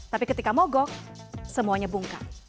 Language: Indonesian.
tapi ketika mogok semuanya bungkam